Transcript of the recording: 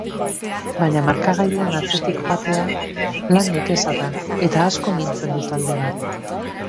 Baina markagailuan atzetik joatea lan nekeza da eta asko mintzen du talde bat.